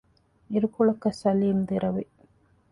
އިރުކޮޅަކަށް ސަލީމް ދެރަވި